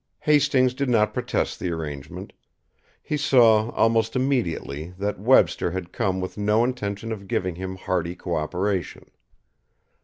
Hastings did not protest the arrangement. He saw, almost immediately, that Webster had come with no intention of giving him hearty cooperation.